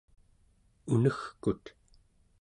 unegkut